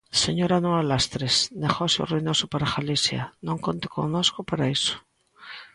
Señora Noa Lastres, negocio ruinoso para Galicia, non conte connosco para iso.